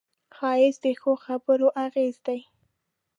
ښایست د ښو خبرو اغېز دی